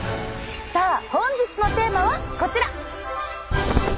さあ本日のテーマはこちら！